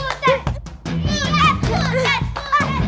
aku tidak mau